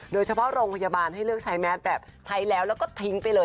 โดยเฉพาะโรงพยาบาลให้เลือกใช้แมสแบบใช้แล้วแล้วก็ทิ้งไปเลย